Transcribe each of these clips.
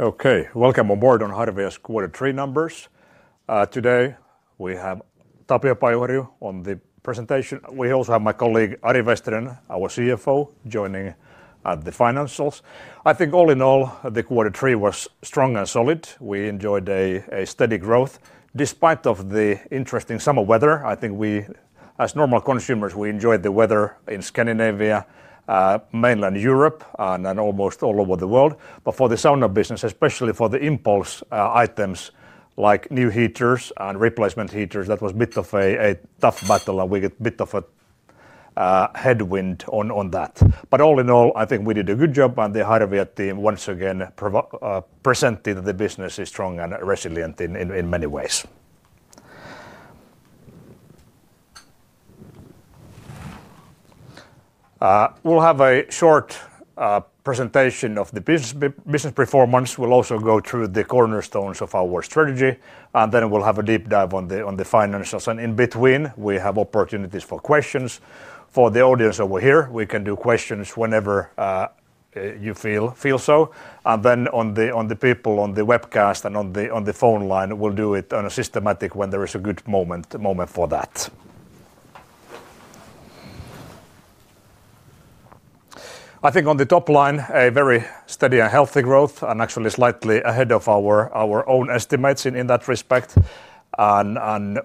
Okay, welcome on board on Harvia's Q3 numbers. Today we have Tapio Pajuharju on the presentation. We also have my colleague Ari Vesterinen, our CFO, joining at the financials. I think all in all, the Q3 was strong and solid. We enjoyed a steady growth despite the interesting summer weather. I think we, as normal consumers, enjoyed the weather in Scandinavia, mainland Europe, and almost all over the world. For the sauna business, especially for the impulse items like new heaters and replacement heaters, that was a bit of a tough battle, and we got a bit of a headwind on that. All in all, I think we did a good job, and the Harvia team, once again, presented the business as strong and resilient in many ways. We'll have a short presentation of the business performance. We'll also go through the cornerstones of our strategy, and then we'll have a deep dive on the financials. In between, we have opportunities for questions. For the audience over here, we can do questions whenever you feel so. For the people on the webcast and on the phone line, we'll do it systematically when there is a good moment for that. I think on the top line, a very steady and healthy growth, and actually slightly ahead of our own estimates in that respect.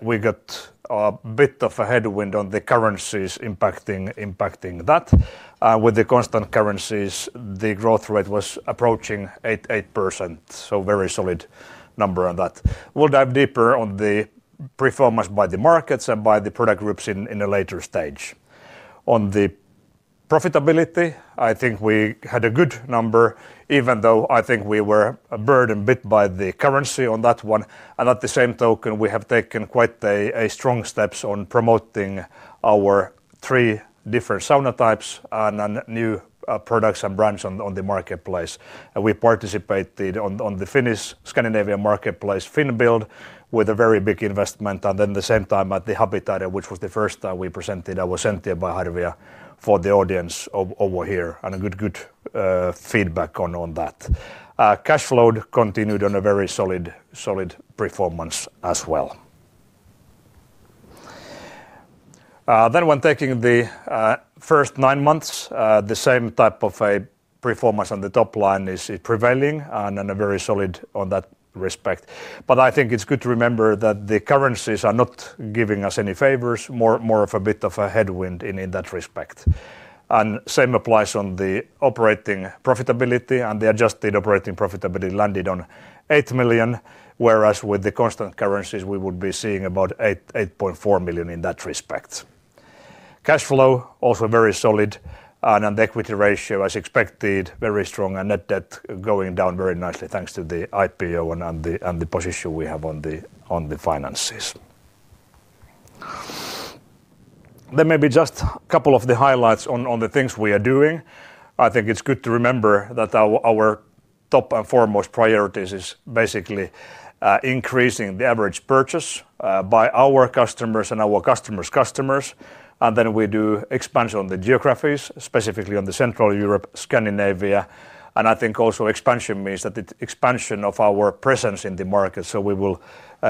We got a bit of a headwind on the currencies impacting that. With the constant currencies, the growth rate was approaching 8%, so a very solid number on that. We'll dive deeper on the performance by the markets and by the product groups in a later stage. On the profitability, I think we had a good number, even though I think we were burdened a bit by the currency on that one. At the same token, we have taken quite strong steps on promoting our three different sauna types and new products and brands on the marketplace. We participated on the Finnish-Scandinavian marketplace, FinnBuild, with a very big investment. At the same time, at the Habitat, which was the first time we presented our Sentia by Harvia for the audience over here, and a good feedback on that. Cash flow continued on a very solid performance as well. When taking the first nine months, the same type of performance on the top line is prevailing and very solid on that respect. I think it's good to remember that the currencies are not giving us any favors, more of a bit of a headwind in that respect. The same applies on the operating profitability, and the adjusted operating profitability landed on 8 million, whereas with the constant currencies, we would be seeing about 8.4 million in that respect. Cash flow also very solid, and the equity ratio, as expected, very strong, and net debt going down very nicely thanks to the IPO and the position we have on the finances. Maybe just a couple of the highlights on the things we are doing. I think it's good to remember that our top and foremost priorities are basically increasing the average purchase by our customers and our customers' customers. We do expansion on the geographies, specifically on the Central Europe, Scandinavia. I think also expansion means that it's expansion of our presence in the market, so we will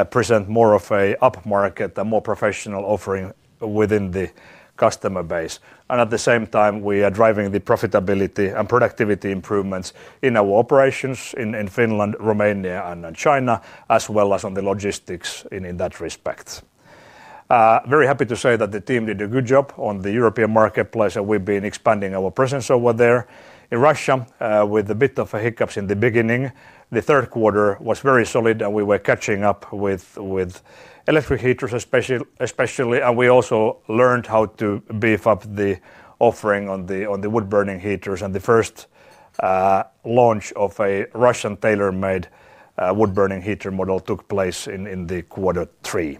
present more of an upmarket and more professional offering within the customer base. At the same time, we are driving the profitability and productivity improvements in our operations in Finland, Romania, and China, as well as on the logistics in that respect. Very happy to say that the team did a good job on the European marketplace, and we've been expanding our presence over there. In Russia, with a bit of hiccups in the beginning, the third quarter was very solid, and we were catching up with electric heaters especially. We also learned how to beef up the offering on the wood-burning heaters. The first launch of a Russian tailor-made wood-burning heater model took place in the quarter 3.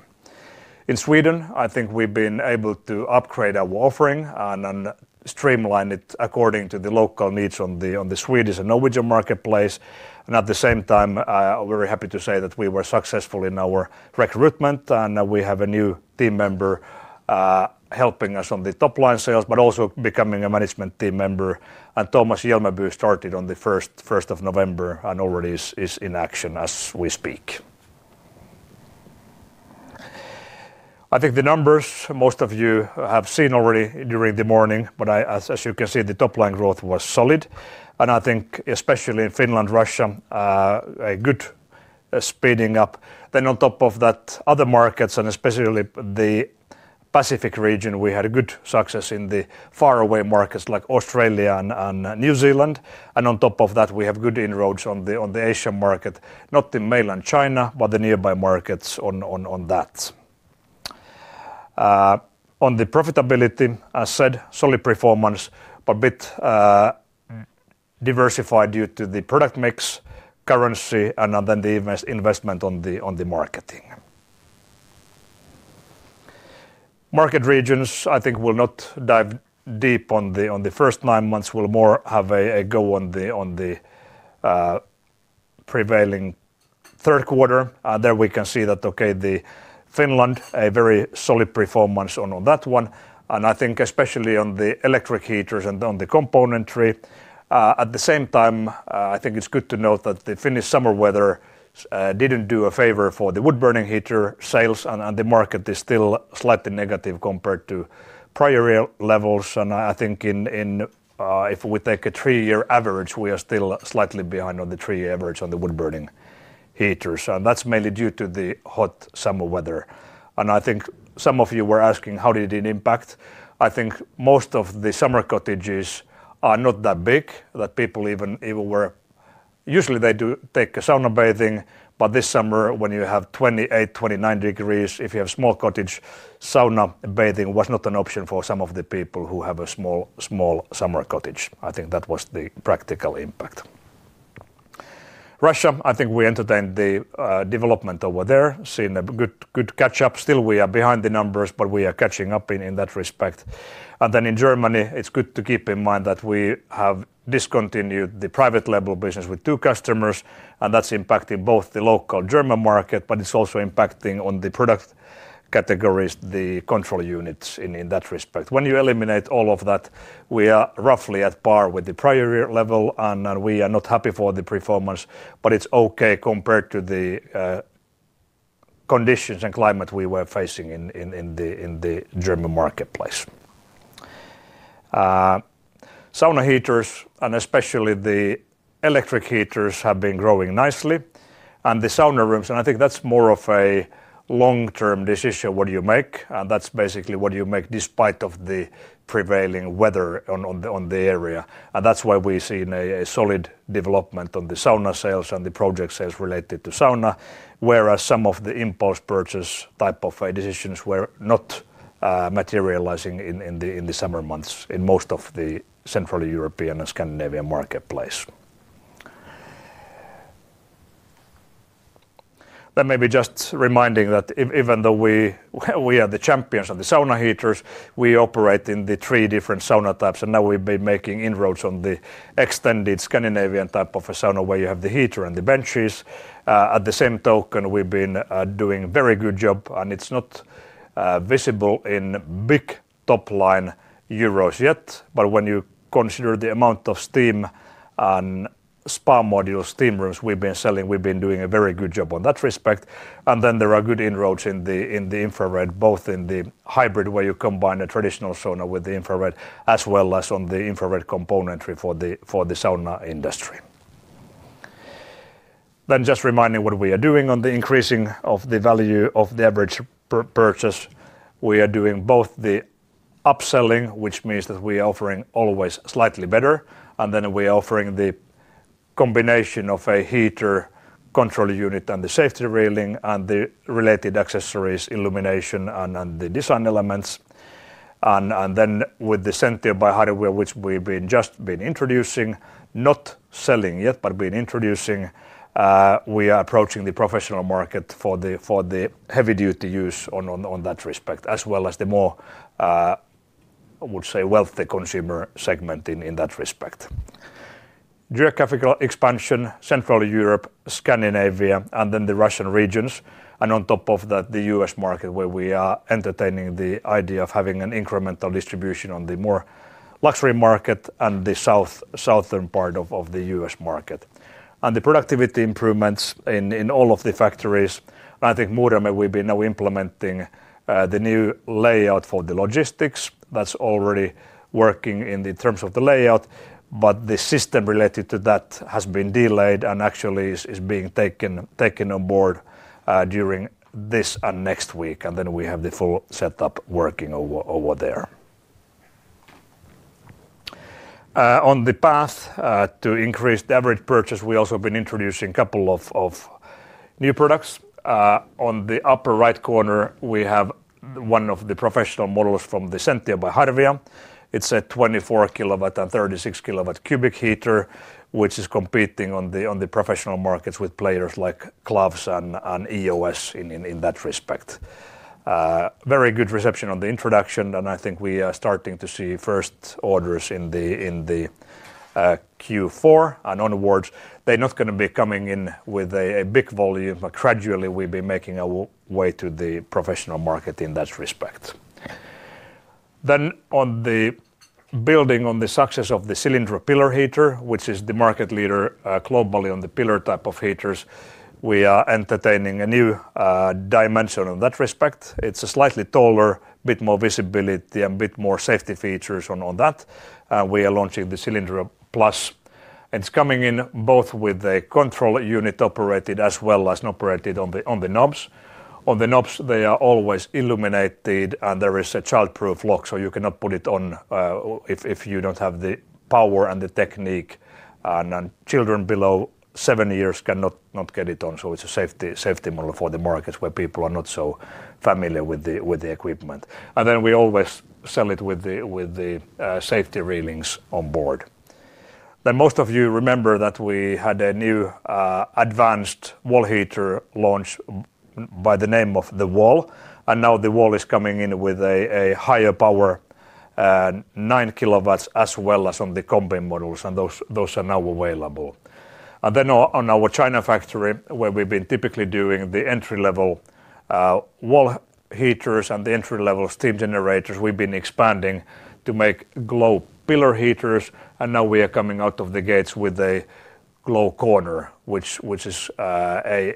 In Sweden, I think we've been able to upgrade our offering and streamline it according to the local needs on the Swedish and Norwegian marketplace. At the same time, I'm very happy to say that we were successful in our recruitment, and we have a new team member helping us on the top line sales, but also becoming a management team member. Tomas Hjälmeby started on the 1st of November and already is in action as we speak. I think the numbers most of you have seen already during the morning, but as you can see, the top line growth was solid. I think especially in Finland and Russia, a good speeding up. On top of that, other markets, and especially the Pacific region, we had good success in the faraway markets like Australia and New Zealand. On top of that, we have good inroads on the Asian market, not in mainland China, but the nearby markets on that. On the profitability, as said, solid performance, but a bit diversified due to the product mix, currency, and then the investment on the marketing. Market regions, I think we'll not dive deep on the first nine months. We'll more have a go on the prevailing third quarter. There we can see that, okay, Finland, a very solid performance on that one. I think especially on the electric heaters and on the componentry. At the same time, I think it's good to note that the Finnish summer weather did not do a favor for the wood-burning heater sales, and the market is still slightly negative compared to prior levels. If we take a three-year average, we are still slightly behind on the three-year average on the wood-burning heaters. That is mainly due to the hot summer weather. Some of you were asking how it did impact. Most of the summer cottages are not that big, that people even were—usually they do take a sauna bathing, but this summer when you have 28-29 degrees Celsius, if you have a small cottage, sauna bathing was not an option for some of the people who have a small summer cottage. That was the practical impact. Russia, we entertained the development over there, seen a good catch-up. Still, we are behind the numbers, but we are catching up in that respect. In Germany, it's good to keep in mind that we have discontinued the private-level business with two customers, and that's impacting both the local German market, but it's also impacting on the product categories, the control units in that respect. When you eliminate all of that, we are roughly at par with the prior level, and we are not happy for the performance, but it's okay compared to the conditions and climate we were facing in the German marketplace. Sauna heaters, and especially the electric heaters, have been growing nicely. The sauna rooms, and I think that's more of a long-term decision what you make, and that's basically what you make despite the prevailing weather on the area. That is why we have seen a solid development on the sauna sales and the project sales related to sauna, whereas some of the impulse purchase type of decisions were not materializing in the summer months in most of the Central European and Scandinavian marketplace. Maybe just reminding that even though we are the champions of the sauna heaters, we operate in the three different sauna types, and now we have been making inroads on the extended Scandinavian type of a sauna where you have the heater and the benches. At the same token, we have been doing a very good job, and it is not visible in big top line euros yet, but when you consider the amount of steam and spa modules, steam rooms we have been selling, we have been doing a very good job on that respect. There are good inroads in the infrared, both in the hybrid where you combine a traditional sauna with the infrared, as well as on the infrared componentry for the sauna industry. Just reminding what we are doing on the increasing of the value of the average purchase. We are doing both the upselling, which means that we are offering always slightly better, and then we are offering the combination of a heater control unit and the safety railing and the related accessories, illumination, and the design elements. With the Sentio by Harvia, which we have just been introducing, not selling yet, but being introducing, we are approaching the professional market for the heavy-duty use in that respect, as well as the more, I would say, wealthy consumer segment in that respect. Geographical expansion, Central Europe, Scandinavia, and then the Russian regions, and on top of that, the U.S. market where we are entertaining the idea of having an incremental distribution on the more luxury market and the southern part of the U.S. market. The productivity improvements in all of the factories. I think more than we've been now implementing the new layout for the logistics. That's already working in the terms of the layout, but the system related to that has been delayed and actually is being taken on board during this and next week. We have the full setup working over there. On the path to increase the average purchase, we've also been introducing a couple of new products. On the upper right corner, we have one of the professional models from the Sentio by Harvia. It's a 24 KW and 36 KW cubic heater, which is competing on the professional markets with players like KLAFS and EOS in that respect. Very good reception on the introduction, and I think we are starting to see first orders in the Q4 and onwards. They are not going to be coming in with a big volume, but gradually we have been making our way to the professional market in that respect. Building on the success of the Cilindro Pillar Heater, which is the market leader globally on the pillar type of heaters, we are entertaining a new dimension in that respect. It is slightly taller, a bit more visibility, and a bit more safety features on that. We are launching the Cylindra Plus. It is coming in both with a control unit operated as well as operated on the knobs. On the knobs, they are always illuminated, and there is a childproof lock, so you cannot put it on if you do not have the power and the technique. Children below seven years cannot get it on, so it is a safety model for the markets where people are not so familiar with the equipment. We always sell it with the safety railings on board. Most of you remember that we had a new advanced wall heater launched by the name of the Wall. The Wall is coming in with a higher power, 9 KW, as well as on the combined models, and those are now available. At our China factory, where we have been typically doing the entry-level wall heaters and the entry-level steam generators, we have been expanding to make Glow Pillar Heaters. We are coming out of the gates with a Glow Corner, which is an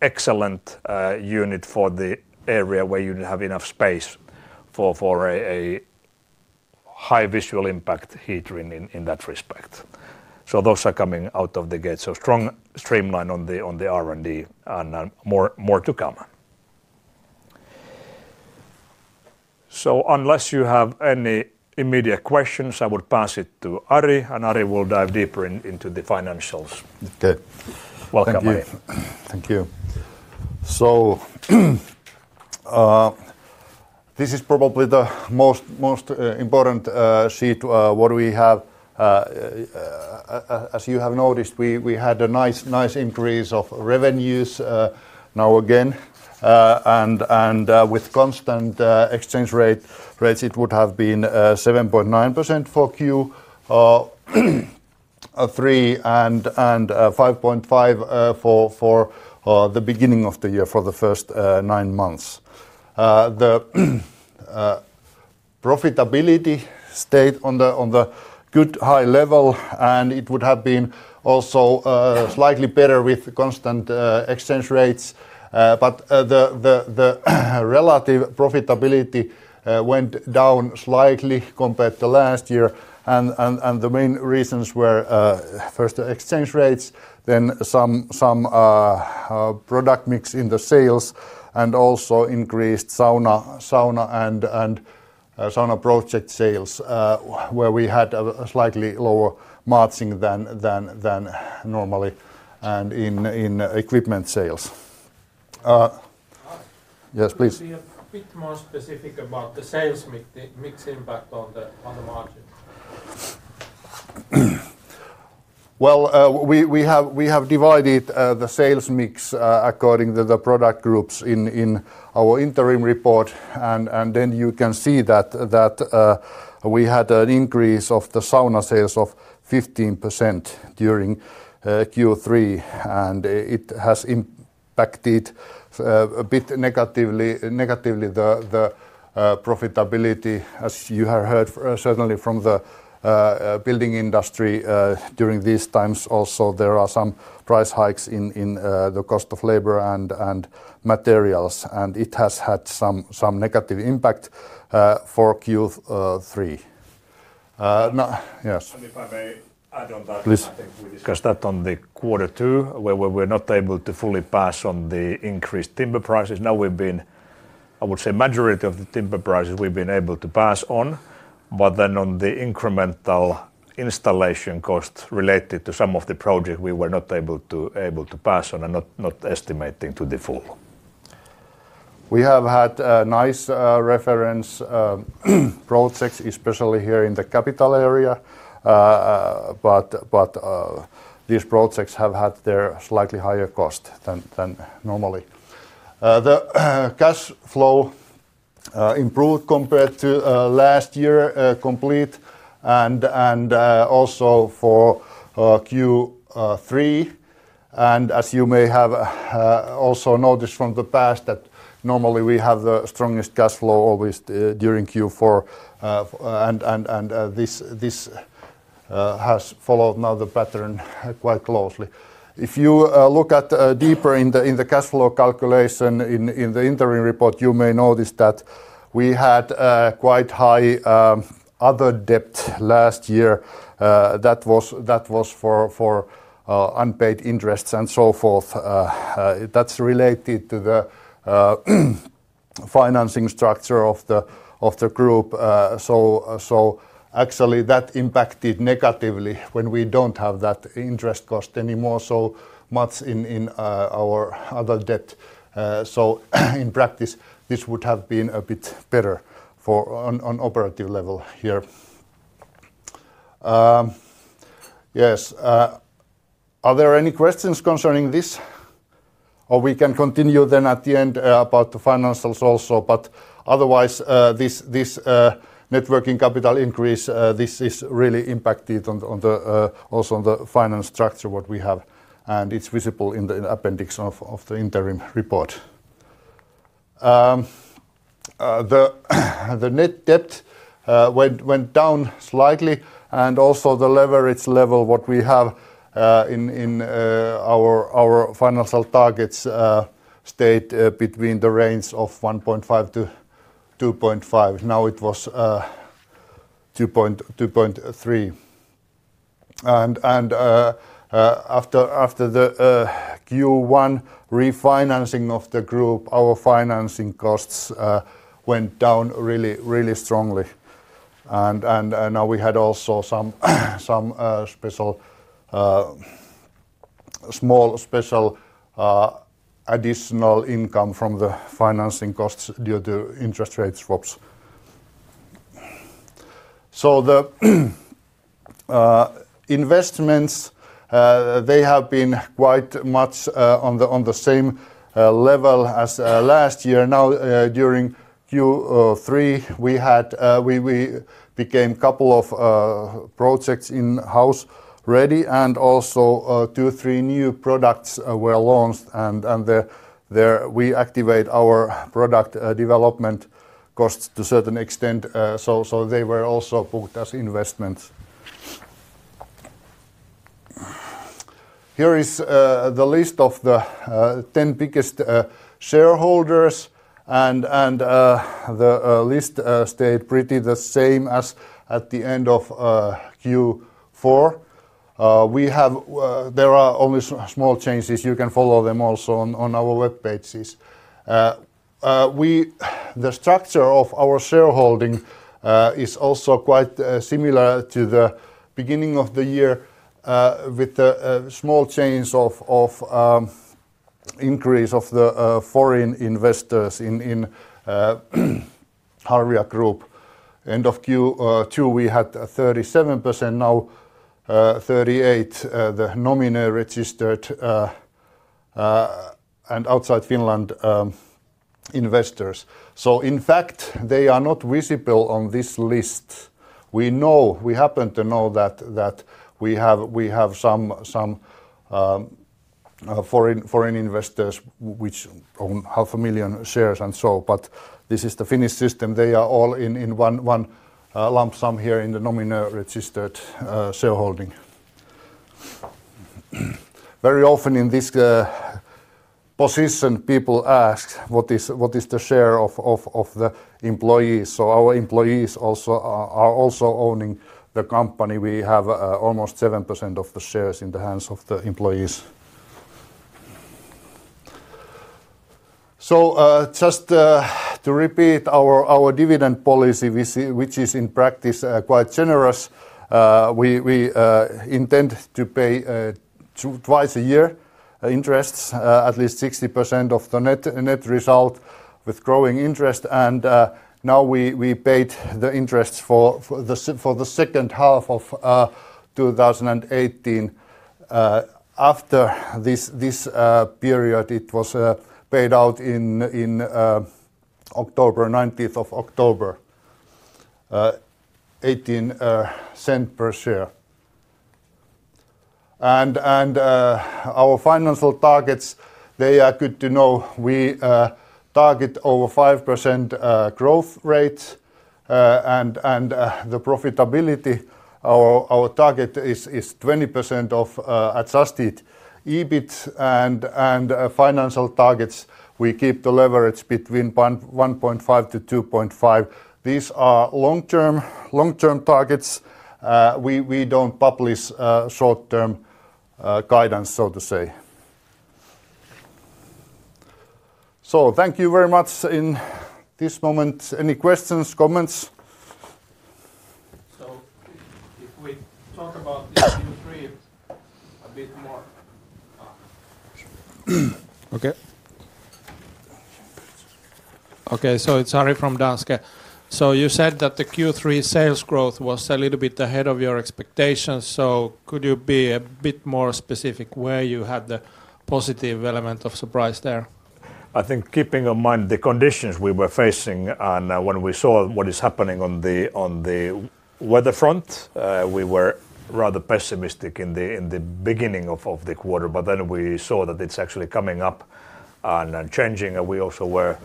excellent unit for the area where you have enough space for a high visual impact heater in that respect. Those are coming out of the gate. Strong streamline on the R&D and more to come. Unless you have any immediate questions, I would pass it to Ari, and Ari will dive deeper into the financials. Welcome, Ari. Thank you. This is probably the most important sheet that we have. As you have noticed, we had a nice increase of revenues now again. With constant exchange rates, it would have been 7.9% for Q3 and 5.5% for the beginning of the year for the first nine months. The profitability stayed on the good high level, and it would have been also slightly better with constant exchange rates. The relative profitability went down slightly compared to last year. The main reasons were first exchange rates, then some product mix in the sales, and also increased sauna and sauna project sales, where we had a slightly lower margin than normally in equipment sales. Yes, please. Can we have a bit more specific about the sales mix impact on the margin? We have divided the sales mix according to the product groups in our interim report. You can see that we had an increase of the sauna sales of 15% during Q3. It has impacted a bit negatively the profitability, as you have heard certainly from the building industry during these times. Also, there are some price hikes in the cost of labor and materials. It has had some negative impact for Q3. Yes. If I may add on that, I think we discussed that on the quarter two, where we were not able to fully pass on the increased timber prices. Now we have been, I would say, the majority of the timber prices we have been able to pass on. On the incremental installation costs related to some of the projects, we were not able to pass on and not estimating to the full. We have had nice reference projects, especially here in the capital area. These projects have had their slightly higher cost than normally. The cash flow improved compared to last year complete, and also for Q3. As you may have also noticed from the past, normally we have the strongest cash flow always during Q4. This has followed now the pattern quite closely. If you look deeper in the cash flow calculation in the interim report, you may notice that we had quite high other debt last year. That was for unpaid interests and so forth. That's related to the financing structure of the group. Actually, that impacted negatively when we don't have that interest cost anymore, so much in our other debt. In practice, this would have been a bit better on operative level here. Yes. Are there any questions concerning this? We can continue then at the end about the financials also. Otherwise, this networking capital increase, this is really impacted also on the finance structure what we have. It's visible in the appendix of the interim report. The net debt went down slightly. Also, the leverage level what we have in our financial targets stayed between the range of 1.5-2.5. Now it was 2.3. After the Q1 refinancing of the group, our financing costs went down really strongly. Now we had also some small special additional income from the financing costs due to interest rate swaps. The investments, they have been quite much on the same level as last year. During Q3, we became a couple of projects in-house ready, and also two or three new products were launched. We activate our product development costs to a certain extent. They were also booked as investments. Here is the list of the 10 biggest shareholders. The list stayed pretty the same as at the end of Q4. There are only small changes. You can follow them also on our web pages. The structure of our shareholding is also quite similar to the beginning of the year with a small change of increase of the foreign investors in Harvia Group. End of Q2, we had 37%, now 38% the nominee registered and outside Finland investors. In fact, they are not visible on this list. We happen to know that we have some foreign investors which own 500,000 shares and so. This is the Finnish system. They are all in one lump sum here in the nominee registered shareholding. Very often in this position, people ask what is the share of the employees. Our employees also are also owning the company. We have almost 7% of the shares in the hands of the employees. Just to repeat our dividend policy, which is in practice quite generous. We intend to pay twice a year interests, at least 60% of the net result with growing interest. Now we paid the interests for the second half of 2018. After this period, it was paid out in October, 19th of October, 0.18 per share. Our financial targets, they are good to know. We target over 5% growth rate. The profitability, our target is 20% of adjusted EBIT and our financial targets, we keep the leverage between 1.5-2.5. These are long-term targets. We do not publish short-term guidance, so to say. Thank you very much in this moment. Any questions, comments? If we talk about this Q3 a bit more. Okay. Okay, it is Ari from Danske. You said that the Q3 sales growth was a little bit ahead of your expectations. Could you be a bit more specific where you had the positive element of surprise there? I think keeping in mind the conditions we were facing and when we saw what is happening on the weather front, we were rather pessimistic in the beginning of the quarter. We saw that it is actually coming up and changing. We also were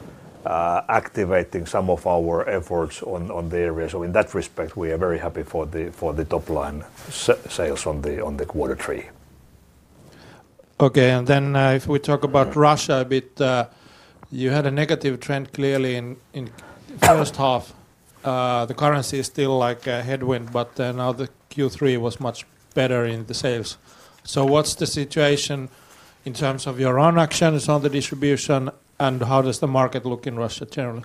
activating some of our efforts on the area. In that respect, we are very happy for the top line sales on quarter three. Okay, if we talk about Russia a bit, you had a negative trend clearly in the first half. The currency is still like a headwind, but now the Q3 was much better in the sales. What is the situation in terms of your own actions on the distribution, and how does the market look in Russia generally?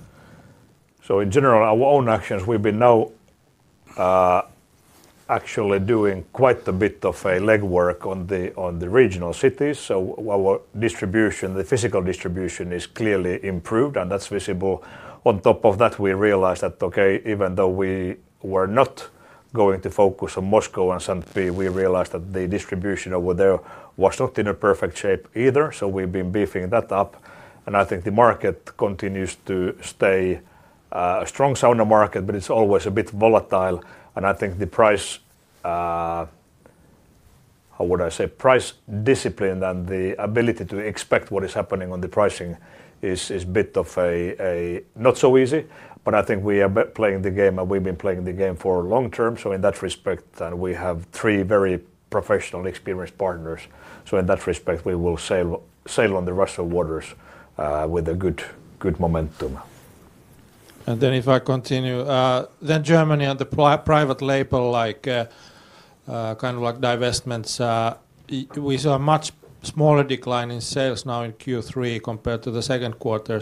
In general, our own actions, we've been now actually doing quite a bit of legwork on the regional cities. Our distribution, the physical distribution is clearly improved, and that's visible. On top of that, we realized that, okay, even though we were not going to focus on Moscow and Saint Petersburg, we realized that the distribution over there was not in a perfect shape either. We've been beefing that up. I think the market continues to stay a strong sauna market, but it's always a bit volatile. I think the price, how would I say, price discipline and the ability to expect what is happening on the pricing is a bit of a not so easy. I think we are playing the game, and we've been playing the game for long term. In that respect, we have three very professional, experienced partners. In that respect, we will sail on the Russian waters with a good momentum. If I continue, Germany and the private label, like kind of like divestments, we saw a much smaller decline in sales now in Q3 compared to the second quarter.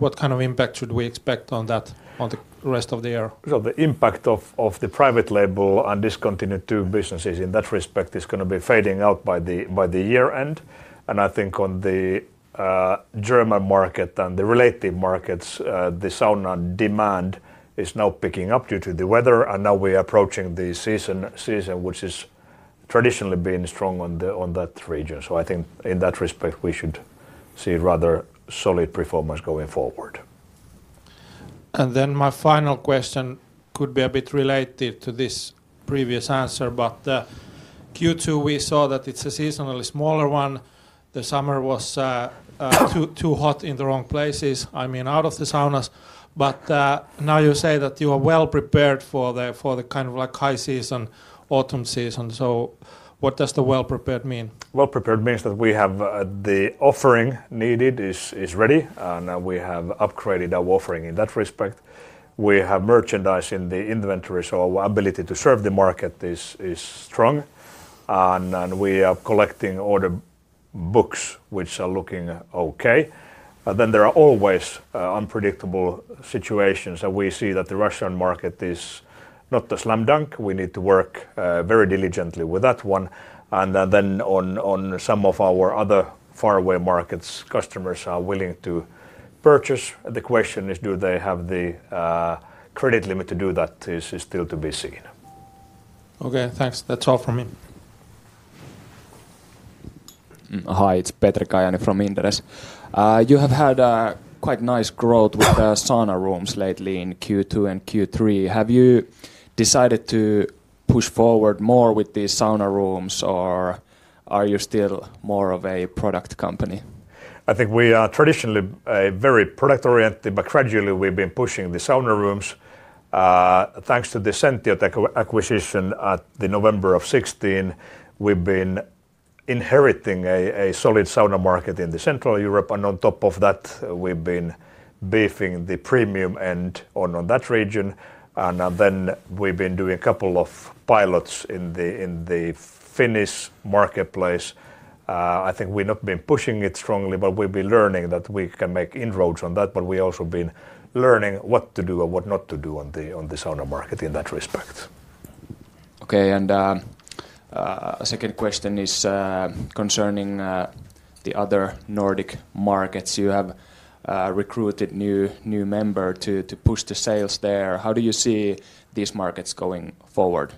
What kind of impact should we expect on that on the rest of the year? The impact of the private label and these continued two businesses in that respect is going to be fading out by the year end. I think on the German market and the relative markets, the sauna demand is now picking up due to the weather. Now we are approaching the season, which has traditionally been strong on that region. I think in that respect, we should see rather solid performance going forward. My final question could be a bit related to this previous answer, but Q2 we saw that it is a seasonally smaller one. The summer was too hot in the wrong places, I mean out of the saunas. Now you say that you are well prepared for the kind of like high season, autumn season. What does the well prepared mean? Well prepared means that we have the offering needed is ready. We have upgraded our offering in that respect. We have merchandise in the inventory, so our ability to serve the market is strong. We are collecting order books, which are looking okay. There are always unpredictable situations, and we see that the Russian market is not the slam dunk. We need to work very diligently with that one. Then on some of our other faraway markets, customers are willing to purchase. The question is, do they have the credit limit to do that is still to be seen. Okay, thanks. That's all from me. Hi, it's Petri Kajaani from Inderes. You have had quite nice growth with the sauna rooms lately in Q2 and Q3. Have you decided to push forward more with the sauna rooms, or are you still more of a product company? I think we are traditionally very product oriented, but gradually we've been pushing the sauna rooms. Thanks to the Sentiotec acquisition at November of 2016, we've been inheriting a solid sauna market in Central Europe. On top of that, we've been beefing the premium end on that region. We've been doing a couple of pilots in the Finnish marketplace. I think we've not been pushing it strongly, but we've been learning that we can make inroads on that. We've also been learning what to do and what not to do on the sauna market in that respect. Okay, a second question is concerning the other Nordic markets. You have recruited new members to push the sales there. How do you see these markets going forward?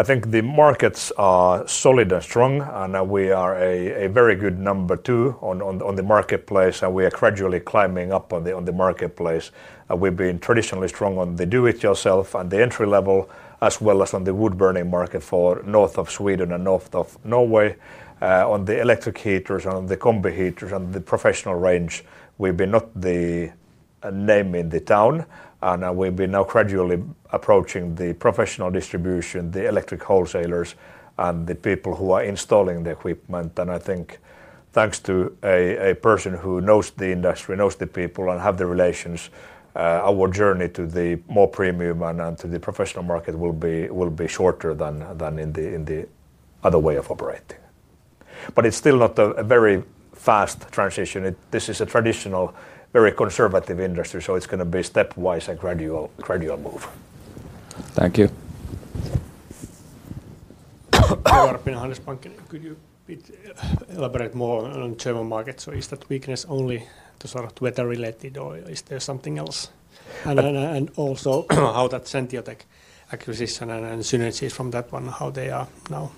I think the markets are solid and strong, and we are a very good number two on the marketplace. We are gradually climbing up on the marketplace. We've been traditionally strong on the do-it-yourself and the entry level, as well as on the wood-burning market for north of Sweden and north of Norway. On the electric heaters, on the combi heaters, and the professional range, we've been not the name in the town. We have been now gradually approaching the professional distribution, the electric wholesalers, and the people who are installing the equipment. I think thanks to a person who knows the industry, knows the people, and has the relations, our journey to the more premium and to the professional market will be shorter than in the other way of operating. It is still not a very fast transition. This is a traditional, very conservative industry, so it is going to be a stepwise and gradual move. Thank you. Could you elaborate more on German markets? Is that weakness only sort of weather related, or is there something else? Also, how is that Sentiotec acquisition and synergies from that one, how are they now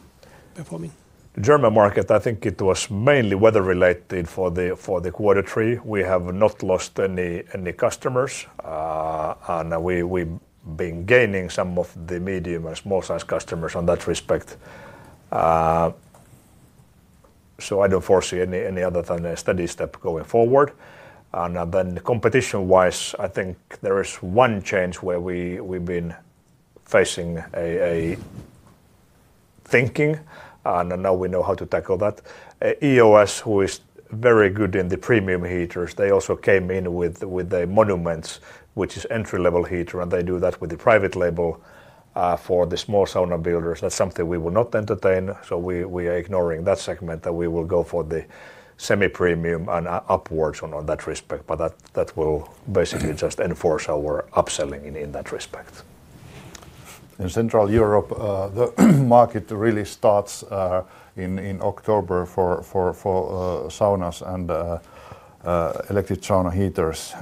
performing? German market, I think it was mainly weather related for the quarter 3. We have not lost any customers, and we've been gaining some of the medium and small size customers on that respect. I don't foresee any other than a steady step going forward. Competition wise, I think there is one change where we've been facing a thinking, and now we know how to tackle that. EOS, who is very good in the premium heaters, they also came in with the Monuments, which is an entry level heater, and they do that with the private label for the small sauna builders. That's something we will not entertain, so we are ignoring that segment, and we will go for the semi-premium and upwards on that respect. That will basically just enforce our upselling in that respect. In Central Europe, the market really starts in October for saunas and electric sauna heaters.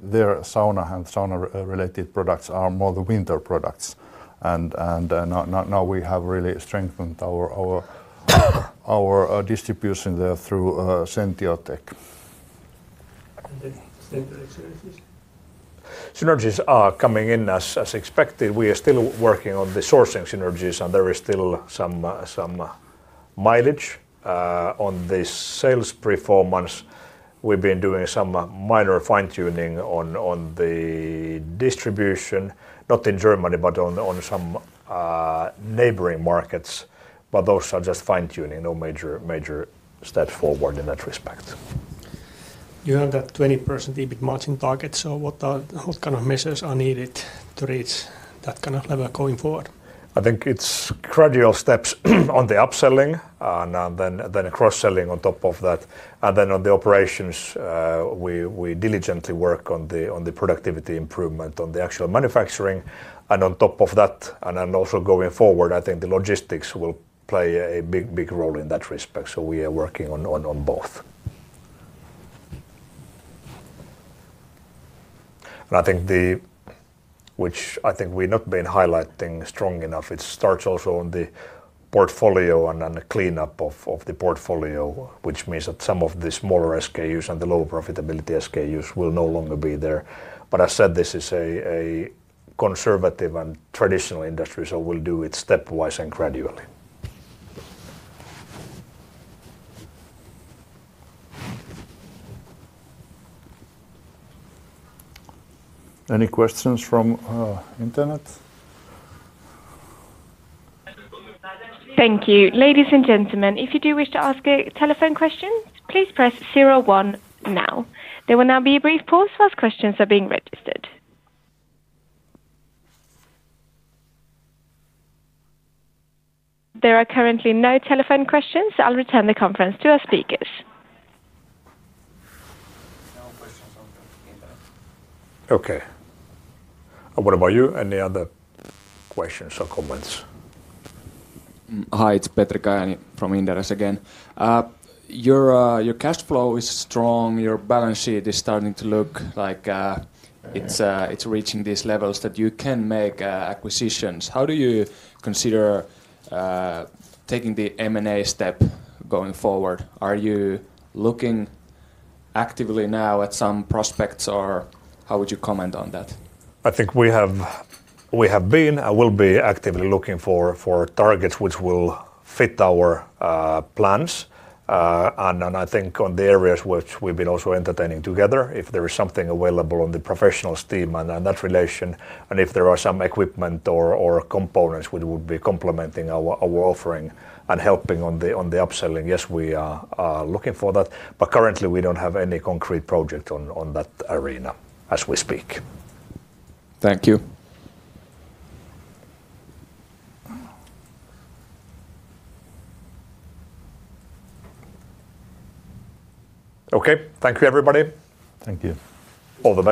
Their sauna and sauna related products are more the winter products. Now we have really strengthened our distribution there through Sentiotec. And the Synergies? Synergies are coming in as expected. We are still working on the sourcing synergies, and there is still some mileage on the sales performance. We've been doing some minor fine tuning on the distribution, not in Germany, but on some neighboring markets. Those are just fine tuning, no major step forward in that respect. You have that 20% EBIT margin target, so what kind of measures are needed to reach that kind of level going forward? I think it's gradual steps on the upselling and then cross selling on top of that. On the operations, we diligently work on the productivity improvement, on the actual manufacturing. On top of that, also going forward, I think the logistics will play a big role in that respect. We are working on both. I think, which I think we have not been highlighting strong enough, it starts also on the portfolio and the cleanup of the portfolio, which means that some of the smaller SKUs and the lower profitability SKUs will no longer be there. I said this is a conservative and traditional industry, so we will do it stepwise and gradually. Any questions from internet? Thank you. Ladies and gentlemen, if you do wish to ask a telephone question, please press zero one now. There will now be a brief pause whilst questions are being registered. There are currently no telephone questions, so I will return the conference to our speakers. Okay. What about you? Any other questions or comments? Hi, it's Petri Kajani from Inderes again. Your cash flow is strong. Your balance sheet is starting to look like it's reaching these levels that you can make acquisitions. How do you consider taking the M&A step going forward? Are you looking actively now at some prospects, or how would you comment on that? I think we have been and will be actively looking for targets which will fit our plans. I think on the areas which we've been also entertaining together, if there is something available on the professionals team and that relation, and if there are some equipment or components which would be complementing our offering and helping on the upselling, yes, we are looking for that. Currently, we don't have any concrete project on that arena as we speak. Thank you. Okay, thank you everybody. Thank you. All the best.